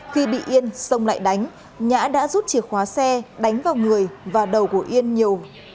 khi bị yên xông lại đánh nhã đã rút chìa khóa xe đánh vào người và đầu của yên nhiều